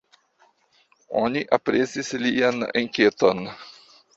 Oni aprezis lian enketon.